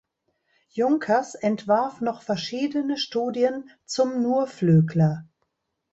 Junkers entwarf noch verschiedene Studien zum Nurflügler.